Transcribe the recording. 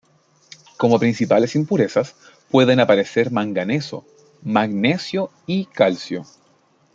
Como principales impurezas pueden aparecer manganeso, magnesio y calcio.